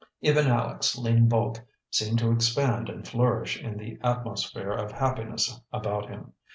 Even Aleck's lean bulk seemed to expand and flourish in the atmosphere of happiness about him.